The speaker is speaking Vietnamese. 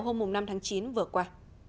hôm năm tháng chín vừa qua